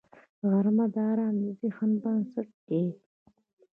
غرمه د ارام ذهن بنسټ دی